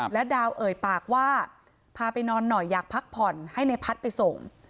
และดาวเอ่ยปากว่าพาไปนอนหน่อยอยากพักผ่อนให้ในพัฒน์ไปส่ง